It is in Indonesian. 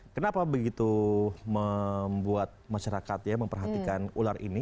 kenapa begitu membuat masyarakat ya memperhatikan ular ini